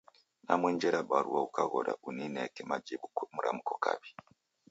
Namwenjera barua ukaghora unineka majibu mramko kaw'i